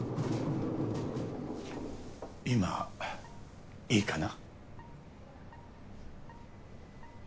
今いいかな？